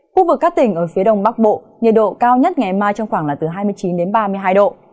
khu vực các tỉnh ở phía đông bắc bộ nhiệt độ cao nhất ngày mai trong khoảng là từ hai mươi chín đến ba mươi hai độ